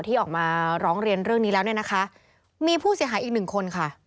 ที่ออกมาร้องเรียนเรื่องนี้แล้วเนี่ยนะคะมีผู้เสียหายอีกหนึ่งคนค่ะ